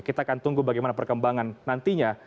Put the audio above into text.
kita akan tunggu bagaimana perkembangan nantinya